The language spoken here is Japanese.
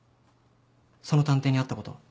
その探偵に会ったことは？